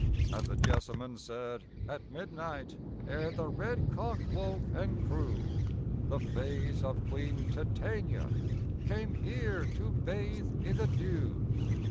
And the jessamine said: At midnight, Ere the red cock woke and crew, The Fays of Queen Titania Came here to bathe i' the dew.